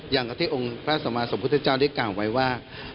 อย่างกับที่องค์พระสมาสมพุทธเจ้าได้กล่าวไว้ว่า